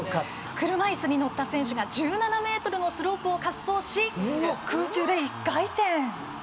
車いすに乗った選手が１７ｍのスロープを滑走し、空中で１回転。